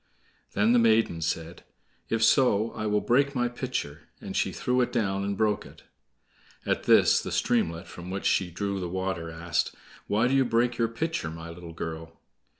Then the maiden said: "If so, I will break my pitcher"; and she threw it down and broke it. At this the streamlet, from which she drew the water, asked: "Why do you break your pitcher, my little girl?"